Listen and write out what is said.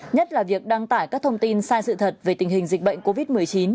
nhất là việc đăng tải các thông tin sai sự thật về tình hình dịch bệnh covid một mươi chín